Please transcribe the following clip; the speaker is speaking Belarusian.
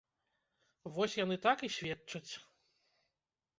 Вось яны так і сведчаць.